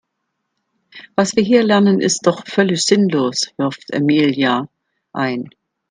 Was wir hier lernen ist doch völlig sinnlos, wirft Emilia ein.